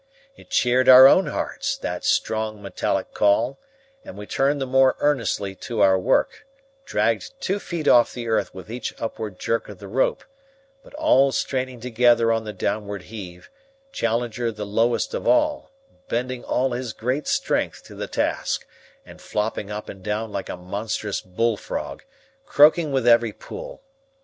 It cheered our own hearts, that strong, metallic call, and we turned the more earnestly to our work, dragged two feet off the earth with each upward jerk of the rope, but all straining together on the downward heave, Challenger the lowest of all, bending all his great strength to the task and flopping up and down like a monstrous bull frog, croaking with every pull.